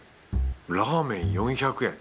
ラーメン４００円。